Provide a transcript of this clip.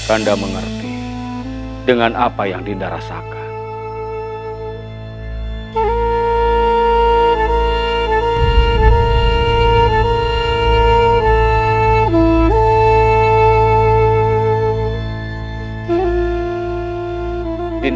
anda mengerti dengan apa yang dinda rasakan